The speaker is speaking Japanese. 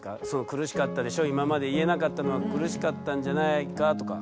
苦しかったでしょ今まで言えなかったのは苦しかったんじゃないかとか。